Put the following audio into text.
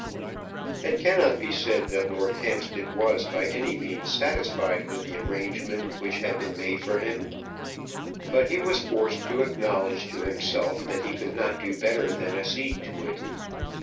It cannot be said that Lord Hampstead was by any means satisfied with the arrangement which had been made for him, but he was forced to acknowledge to himself that he could not do better than accede to it.